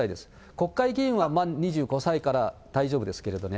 国会議員は満２５歳から大丈夫ですけれどもね。